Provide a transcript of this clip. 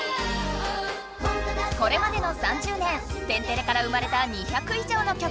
これまでの３０年「天てれ」から生まれた２００い上の曲。